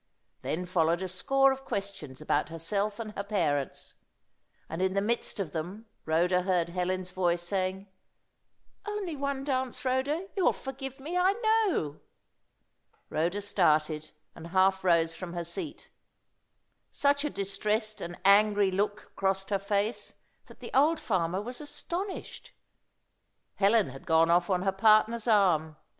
Then followed a score of questions about herself and her parents, and in the midst of them Rhoda heard Helen's voice saying "Only one dance, Rhoda; you'll forgive me, I know." Rhoda started, and half rose from her seat. Such a distressed and angry look crossed her face that the old farmer was astonished. Helen had gone off on her partner's arm.